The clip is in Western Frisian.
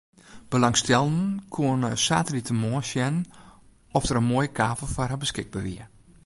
Belangstellenden koene saterdeitemoarn sjen oft der in moaie kavel foar har beskikber wie.